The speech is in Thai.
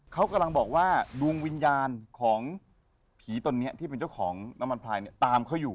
เขากำลังบอกว่าดวงวิญญาณของผีตนนี้ที่เป็นเจ้าของน้ำมันพลายเนี่ยตามเขาอยู่